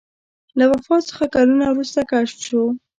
له وفات څخه کلونه وروسته کشف شو.